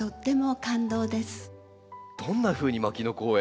どんなふうに牧野公園